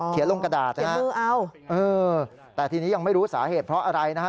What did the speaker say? ลงกระดาษนะฮะแต่ทีนี้ยังไม่รู้สาเหตุเพราะอะไรนะฮะ